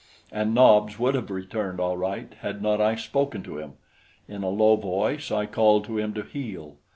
And Nobs would have returned, all right, had not I spoken to him. In a low voice I called him to heel.